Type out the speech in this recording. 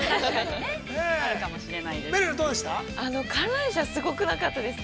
◆あるかもしれないです。